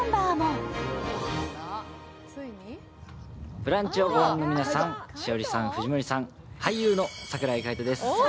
「ブランチ」をご覧の皆さん、藤森さん、栞里さん、俳優の櫻井海音です。